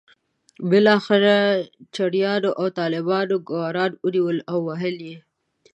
بالاخره چړیانو او طالبانو ګوروان ونیو او وهل یې.